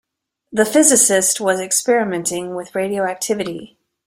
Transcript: The physicist was experimenting with radioactivity.